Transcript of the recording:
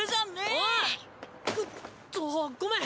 おう！っとごめん！